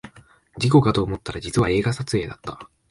事故かと思ったら実は映画撮影だった